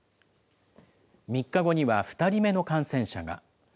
３日後には２人目の感染者が。